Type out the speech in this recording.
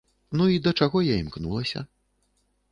Ну і да чаго я імкнулася?